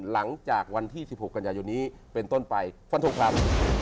หลังจากวันที่๑๖กันยายนนี้เป็นต้นไปฟันทงครับ